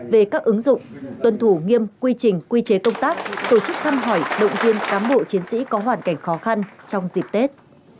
về các ứng dụng tuân thủ nghiêm quy trình quy chế công tác tổ chức thăm hỏi động viên cán bộ chiến sĩ có hoàn cảnh khó khăn trong dịp tết